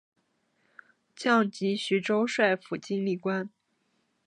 降级徐州帅府经历官。